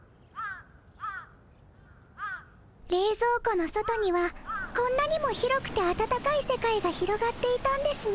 れいぞう庫の外にはこんなにも広くて温かい世界が広がっていたんですね。